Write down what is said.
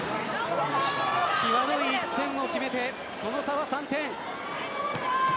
きわどい１点を決めてその差は３点。